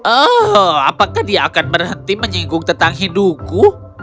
oh apakah dia akan berhenti menyinggung tentang hidupku